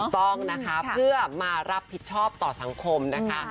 ต้องนะคะเพื่อมารับผิดชอบต่อสังคมนะคะ